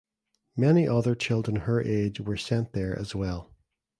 Many other children her age were sent there as well.